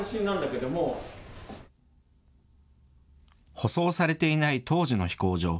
舗装されていない当時の飛行場。